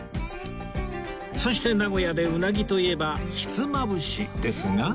そして名古屋でうなぎといえばひつまぶしですが